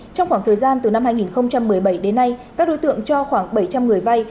trong khoảng thời gian từ năm hai nghìn một mươi bảy đến nay các đối tượng cho khoảng bảy trăm linh người vay